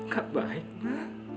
gak baik ya